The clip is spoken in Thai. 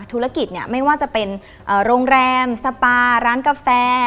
ธุรกิจเนี่ยไม่ว่าจะเป็นโรงแรมสปาร้านกาแฟ